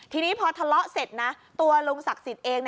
ทีนี้พอทะเลาะเสร็จนะตัวลุงศักดิ์สิทธิ์เอง